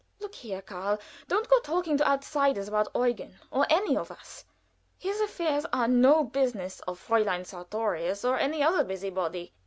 "Look here, Karl, don't go talking to outsiders about Eugen or any of us. His affairs are no business of Fräulein Sartorius, or any other busybody."